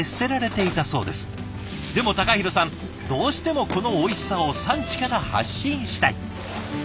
でも隆弘さんどうしてもこのおいしさを産地から発信したい。